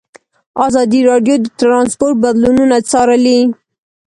ازادي راډیو د ترانسپورټ بدلونونه څارلي.